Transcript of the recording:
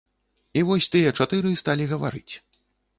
І вось тыя чатыры сталі гаварыць.